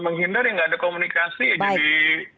menghindar ya nggak ada komunikasi jadi